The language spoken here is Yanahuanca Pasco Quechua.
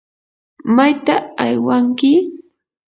¿mayta aywanki?